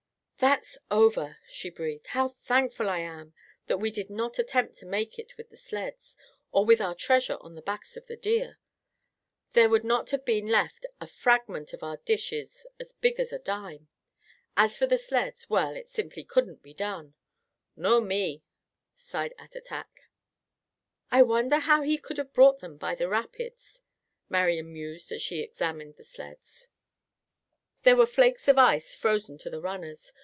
"That's over," she breathed. "How thankful I am that we did not attempt to make it with the sleds, or with our treasure on the backs of the deer. There would not have been left a fragment of our dishes as big as a dime. As for the sleds, well it simply couldn't be done." "No me," sighed Attatak. "I wonder how he could have brought them by the rapids?" Marian mused as she examined the sleds. There were flakes of ice frozen to the runners.